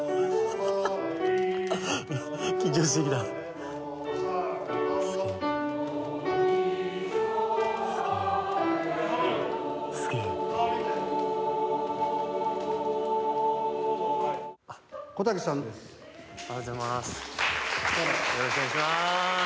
パチパチよろしくお願いします。